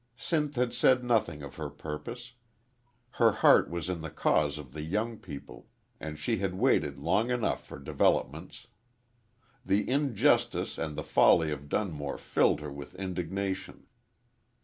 Sinth had said nothing of her purpose. Her heart was in the cause of the young people, and she had waited long enough for developments. The injustice and the folly of Dunmore filled her with indignation.